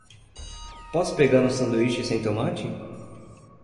Posso pegar um sanduíche sem tomate?